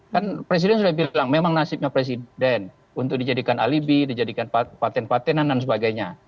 kan presiden sudah bilang memang nasibnya presiden untuk dijadikan alibi dijadikan paten patenan dan sebagainya